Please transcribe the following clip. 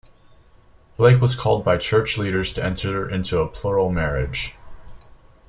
Flake was called by Church leaders to enter into a plural marriage.